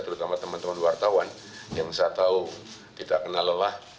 terutama teman teman wartawan yang saya tahu tidak kena lelah